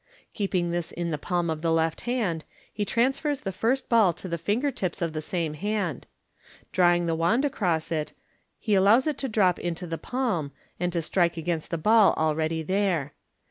Keeping this in the palm of the left hand, he transfers the first ball to the finger tips of the same hand. Drawing the wand across it, he allows it to drop into the palm, and to strike against the ball already there.